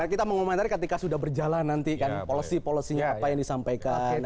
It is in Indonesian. kita mengomentari ketika sudah berjalan nanti kan policy policy nya apa yang disampaikan